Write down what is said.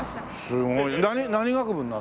すごいね。